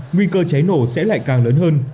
nguy cơ cháy nổ sẽ lại càng lớn hơn